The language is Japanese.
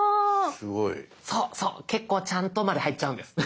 そうそう「結構ちゃんと」まで入っちゃうんです。